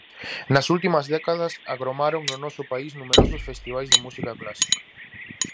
Nas últimas décadas agromaron no noso país numerosos festivais de música clásica.